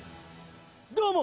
どうも！